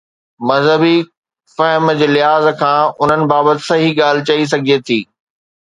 مذهبي فهم جي لحاظ کان انهن بابت صحيح ڳالهه چئي سگهجي ٿي.